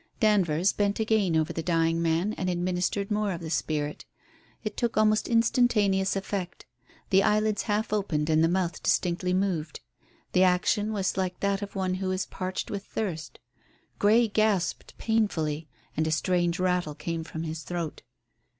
Danvers bent again over the dying man and administered more of the spirit It took almost instantaneous effect. The eyelids half opened and the mouth distinctly moved. The action was like that of one who is parched with thirst. Grey gasped painfully, and a strange rattle came from his throat.